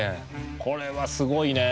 これはすごいねえ。